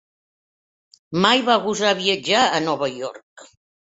Mai va gosar viatjar a Nova York,